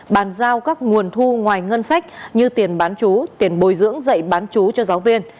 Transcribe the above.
bàn giao các nguồn thu ngoài ngân sách như tiền bán chú tiền bồi dưỡng dạy bán chú cho giáo viên